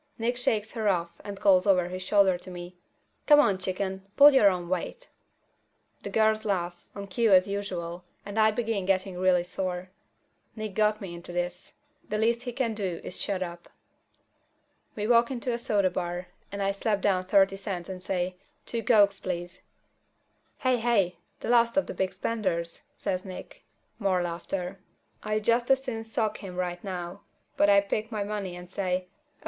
Nick shakes her off and calls over his shoulder to me, "Come on, chicken, pull your own weight!" The girls laugh, on cue as usual, and I begin getting really sore. Nick got me into this. The least he can do is shut up. We walk into a soda bar, and I slap down thirty cents and say, "Two cokes, please." "Hey, hey! The last of the big spenders!" says Nick. More laughter. I'd just as soon sock him right now, but I pick up my money and say, "O.